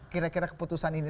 kira kira keputusan ini